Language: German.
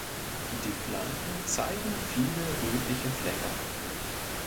Die Flanken zeigen viele rötliche Flecke.